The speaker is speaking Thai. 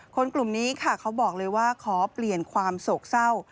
กลุ่มนี้ค่ะเขาบอกเลยว่าขอเปลี่ยนความโศกเศร้า